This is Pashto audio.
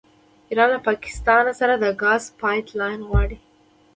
ایران له پاکستان سره د ګاز پایپ لاین غواړي.